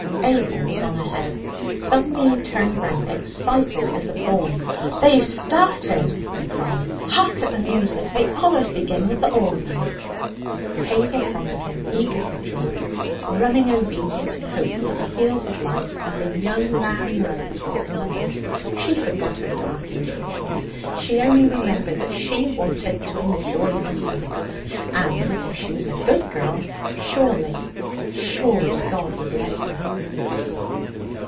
Abel was on ahead. Suddenly he turned round, excited as a boy. 'They've started!' he cried. 'Hark at the music! They allus begin with the organ.' Hazel followed him, eager for joy, running obedient and hopeful at the heels of life as a young lamb runs with its mother. She forgot her dark intuitions; she only remembered that she wanted to enjoy herself, and that if she was a good girl, surely, surely God would let her.